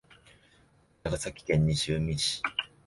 長崎県西海市